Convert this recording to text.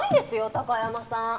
貴山さん。